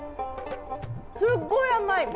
すっごい甘い。